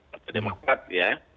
partai demokrat ya